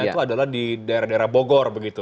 itu adalah di daerah daerah bogor begitu